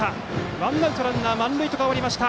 ワンアウトランナー満塁と変わりました。